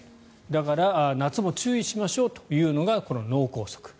だから夏も注意しましょうというのが脳梗塞。